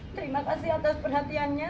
terima kasih atas perhatiannya